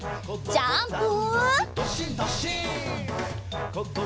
ジャンプ！